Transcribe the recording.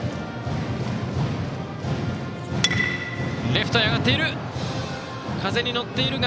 レフトへ上がっている！